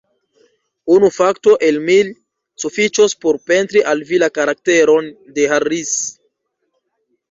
Unu fakto, el mil, sufiĉos por pentri al vi la karakteron de Harris.